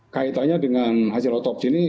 kaitannya dengan hasil otopsi ini